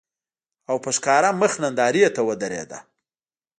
او په ښکاره مخ نندارې ته ودرېده